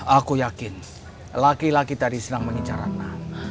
aku yakin laki laki tadi senang mengincar ratna